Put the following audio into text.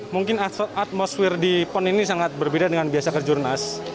mungkin atmosfer di pon ini sangat berbeda dengan biasa kejurnas